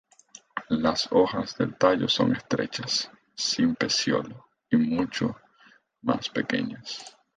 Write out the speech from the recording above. Las hojas del tallo son estrechas, sin pecíolo y mucho más pequeñas.